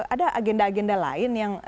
ada agenda agenda lain yang